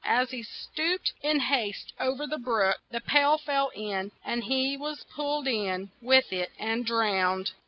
As he stooped in haste o ver the brook, the pail fall in, and he was pulled in with it and drowned.